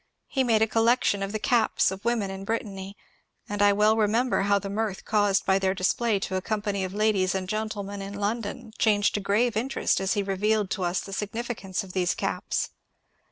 He made a collection of the caps of women in Brittany ; and I well remember how the mirth caused by their display to a company of ladies and gentlemen in London changed to grave interest as he revealed to us the significance of these caps.